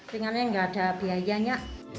ringannya gak ada biayanya